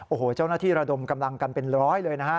โอ้โหเจ้าหน้าที่ระดมกำลังกันเป็นร้อยเลยนะฮะ